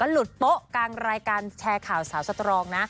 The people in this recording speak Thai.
หลุดโป๊ะกลางรายการแชร์ข่าวสาวสตรองนะ